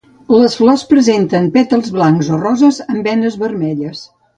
Les flors presenten pètals blancs o roses amb venes vermelles.